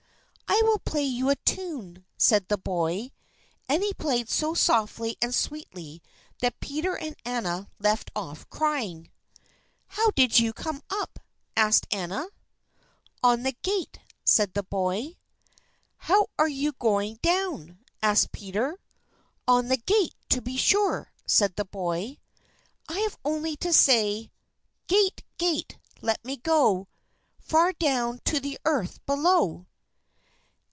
"I will play you a tune," said the boy. And he played so softly and sweetly that Peter and Anna left off crying. "How did you come up?" asked Anna. "On the gate," said the boy. "How are you going down?" asked Peter. "On the gate, to be sure," said the boy; "I have only to say "Gate, gate, let me go Far down to the earth below."